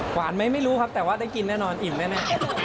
ไหมไม่รู้ครับแต่ว่าได้กินแน่นอนอิ่มแน่